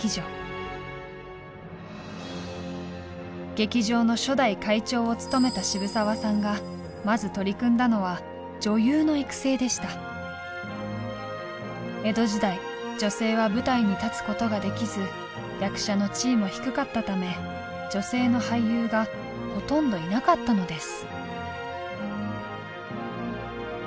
劇場の初代会長を務めた渋沢さんがまず取り組んだのは江戸時代女性は舞台に立つことができず役者の地位も低かったため女性の俳優がほとんどいなかったのです。